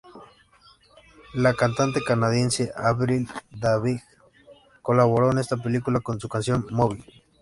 La cantante canadiense Avril Lavigne colaboró en esta película con su canción "Mobile'.